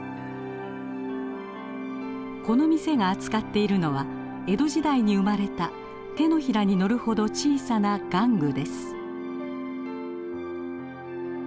この店が扱っているのは江戸時代に生まれた手のひらにのるほど小さな玩具です。